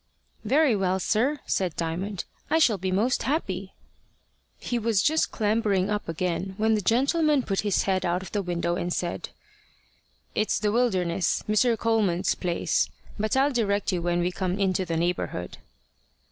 "Very well, sir" said Diamond. "I shall be most happy." He was just clambering up again, when the gentleman put his head out of the window and said "It's The Wilderness Mr. Coleman's place; but I'll direct you when we come into the neighbourhood."